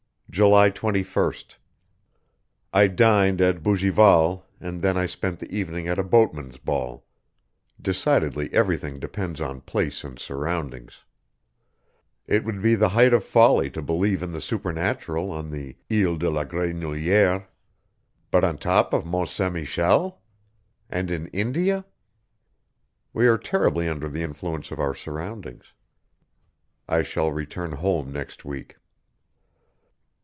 July 21st. I dined at Bougival, and then I spent the evening at a boatmen's ball. Decidedly everything depends on place and surroundings. It would be the height of folly to believe in the supernatural on the île de la Grenouillière ... but on the top of Mont Saint Michel? ... and in India? We are terribly under the influence of our surroundings. I shall return home next week.